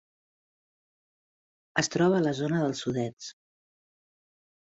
Es troba a la zona dels Sudets.